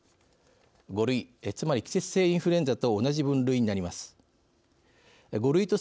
５類、つまり季節性インフルエンザと同じ分類になります。